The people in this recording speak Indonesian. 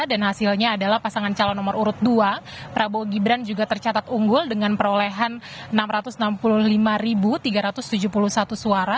dan hasilnya adalah pasangan calon nomor urut dua prabowo gibran juga tercatat unggul dengan perolehan enam ratus enam puluh lima tiga ratus tujuh puluh satu suara